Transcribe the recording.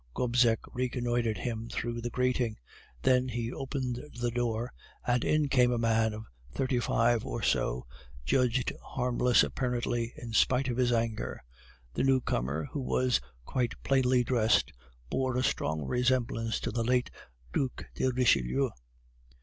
Gobseck reconnoitred him through the grating; then he opened the door, and in came a man of thirty five or so, judged harmless apparently in spite of his anger. The newcomer, who was quite plainly dressed, bore a strong resemblance to the late Duc de Richelieu.